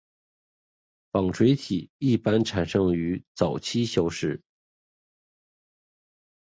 纺锤体一般产生于早前期消失。